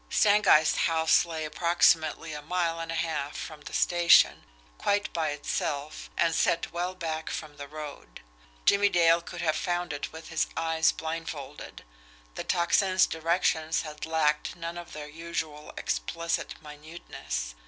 Stangeist's house lay, approximately, a mile and a half from the station, quite by itself, and set well back from the road. Jimmie Dale could have found it with his eyes blindfolded the Tocsin's directions had lacked none of their usual explicit minuteness.